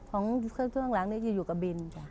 ของข้างหลังนี้อยู่กับบิล